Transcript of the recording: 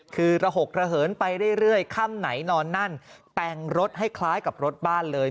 คือระหกระเหินไปเรื่อยค่ำไหนนอนนั่นแต่งรถให้คล้ายกับรถบ้านเลย